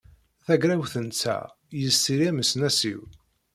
Tagrawt-nteɣ yesri amesnasiw.